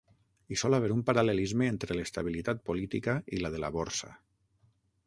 Hi sol haver un paral·lelisme entre l'estabilitat política i la de la borsa.